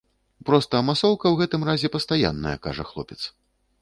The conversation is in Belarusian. Проста масоўка ў гэтым разе пастаянная, кажа хлопец.